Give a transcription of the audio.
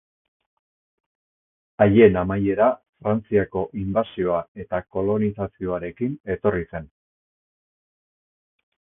Haien amaiera Frantziako inbasioa eta kolonizazioarekin etorri zen.